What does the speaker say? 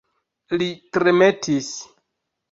Li tremetis.